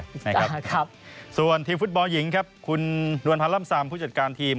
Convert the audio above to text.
จ้ะครับส่วนทีมฟุตบอลหญิงครับคุณนวรพันร่ำซามผู้จัดการทีม